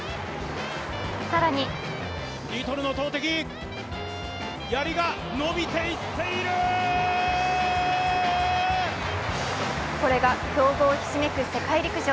更にこれが強豪ひしめく世界陸上。